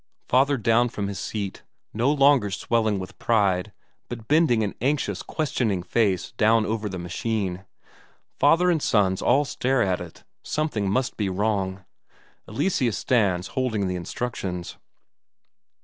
Father down from his seat, no longer swelling with pride, but bending an anxious, questioning face down over the machine. Father and sons all stare at it; something must be wrong. Eleseus stands holding the instructions.